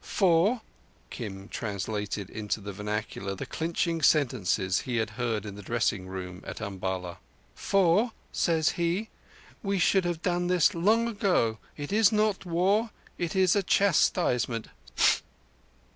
"'For'"—Kim translated into the vernacular the clinching sentences he had heard in the dressing room at Umballa—"'For,' says He, 'we should have done this long ago. It is not war—it is a chastisement.